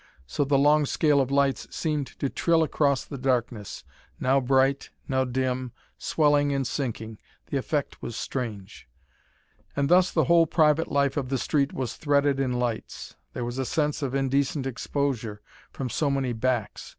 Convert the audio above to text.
So the long scale of lights seemed to trill across the darkness, now bright, now dim, swelling and sinking. The effect was strange. And thus the whole private life of the street was threaded in lights. There was a sense of indecent exposure, from so many backs.